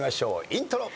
イントロ。